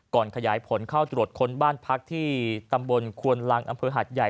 ขยายผลเข้าตรวจค้นบ้านพักที่ตำบลควนลังอำเภอหาดใหญ่